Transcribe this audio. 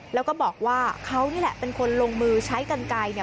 แล้วก็บอกว่าเขานี่แหละเป็นคนลงมือใช้กันไกลเนี่ย